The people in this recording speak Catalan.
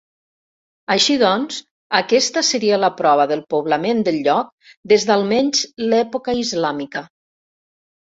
Així doncs, aquesta seria la prova del poblament del lloc des d'almenys l'època islàmica.